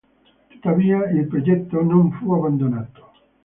Tuttavia il progetto non fu abbandonato.